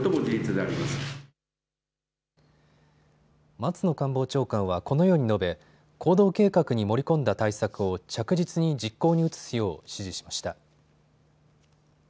松野官房長官はこのように述べ行動計画に盛り込んだ対策を着実に実行に移すよう指示しました。